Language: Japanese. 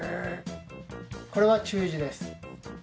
これは中字です。